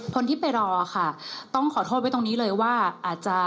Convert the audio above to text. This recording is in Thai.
คนที่ไปรอค่ะต้องขอโทษไว้ตรงนี้เลยว่าอาจจะ